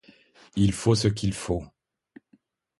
Il faut ce qu'il faut.